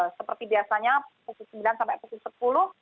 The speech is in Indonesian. jadi seperti biasanya pukul sembilan sampai pukul sepuluh